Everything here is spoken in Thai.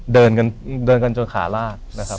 เดินกันจนขาลาดนะครับ